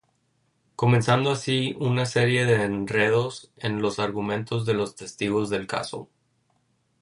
Comenzando así una serie de enredos en los argumentos de los testigos del caso.